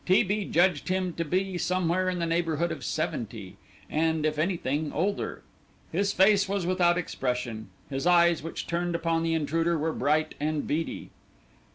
T. B. judged him to be somewhere in the neighbourhood of seventy, and, if anything, older. His face was without expression; his eyes, which turned upon the intruder, were bright and beady.